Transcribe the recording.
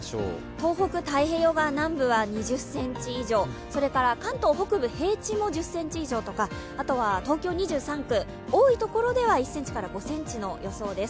東北、太平洋側南部は２０ｃｍ以上、それから関東北部、平地も１０ｃｍ以上とかあとは東京２３区、多いところでは１ｃｍから５ｃｍの予想です。